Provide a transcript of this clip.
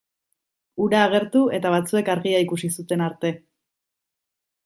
Hura agertu eta batzuek argia ikusi zuten arte.